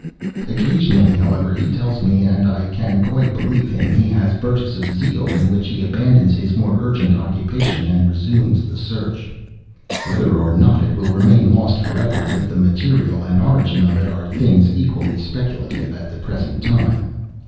Occasionally, however, he tells me, and I can quite believe him, he has bursts of zeal, in which he abandons his more urgent occupation and resumes the search. Whether or not it will remain lost for ever, with the material and origin of it, are things equally speculative at the present time.